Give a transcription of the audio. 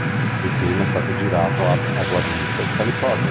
Il film è stato girato ad Agua Dulce, California.